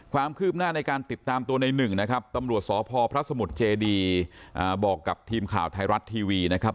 ความคืบหน้าในการติดตามตัวในหนึ่งนะครับตำรวจสพพระสมุทรเจดีบอกกับทีมข่าวไทยรัฐทีวีนะครับ